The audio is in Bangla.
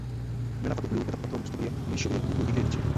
মেলা কতকগুলো কেতাবপত্র মুখস্থ করিয়ে মনিষ্যিগুলোর মুণ্ডু বিগড়ে দিচ্ছিল।